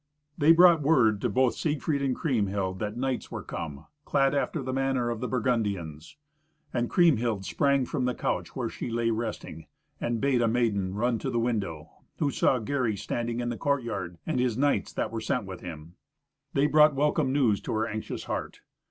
They brought word to both Siegfried and Kriemhild that knights were come, clad after the manner of the Burgundians. And Kriemhild sprang from the couch where she lay resting, and bade a maiden run to the window, who saw Gary standing in the courtyard, and his knights that were sent with him. They brought welcome news to her anxious heart.